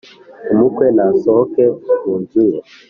Umukwe nasohoke mu nzu ye,